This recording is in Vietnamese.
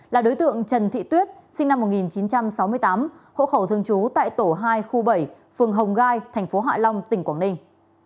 là đối tượng trần thị tuyết sinh năm một nghìn chín trăm sáu mươi tám hộ khẩu thường trú tại tổ hai khu bảy phường hồng gai thành phố hạ long tỉnh quảng ninh